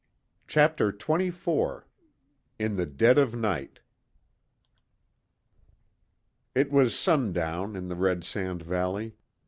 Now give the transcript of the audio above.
CHAPTER XXIV IN THE DEAD OF NIGHT It was sundown in the Red Sand Valley.